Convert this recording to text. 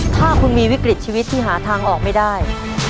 ถ้าคุณมีวิกฤตชีวิตที่หาทางออกไม่ได้